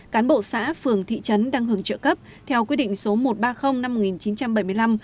cán bộ xã phường thị trấn đang hưởng trợ cấp theo quy định số một trăm ba mươi năm một nghìn chín trăm bảy mươi năm